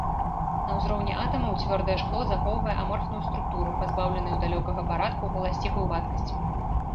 На ўзроўні атамаў цвёрдае шкло захоўвае аморфную структуру, пазбаўленую далёкага парадку, уласцівую вадкасцям.